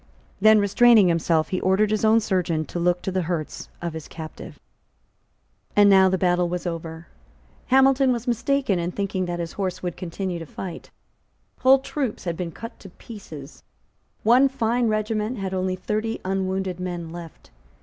Then, restraining himself, he ordered his own surgeon to look to the hurts of the captive, And now the battle was over. Hamilton was mistaken in thinking that his horse would continue to fight. Whole troops had been cut to pieces. One fine regiment had only thirty unwounded men left.